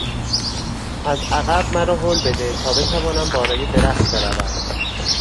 از عقب مرا هل بده تا بتوانم بالای درخت بروم.